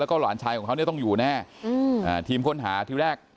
แล้วก็หลานชายของเขาเนี่ยต้องอยู่แน่อืมอ่าทีมค้นหาที่แรก